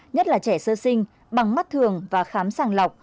nhất là trẻ sơ sinh bằng mắt thường và khám sàng lọc